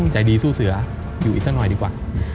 ใจดีสู้เสืออยู่อีกสักหน่อยดีกว่า